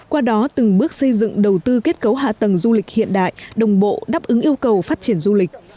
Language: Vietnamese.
qua đó từng bước xây dựng đầu tư kết cấu hạ tầng du lịch hiện đại đồng bộ đáp ứng yêu cầu phát triển du lịch